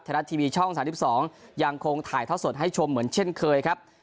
รัฐทีวีช่อง๓๒ยังคงถ่ายท่อสดให้ชมเหมือนเช่นเคยครับ